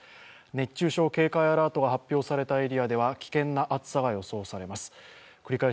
熱中症警戒アラートが発表されたエリアでは危険な暑さが予想されます。